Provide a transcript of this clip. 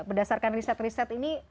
berdasarkan riset riset ini